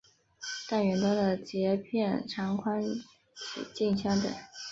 但远端的节片长宽几近相等。